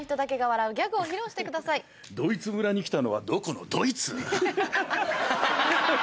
「ドイツ村に来たのはどこのドイツ」。